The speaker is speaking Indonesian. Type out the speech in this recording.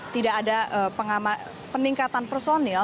tidak ada peningkatan personil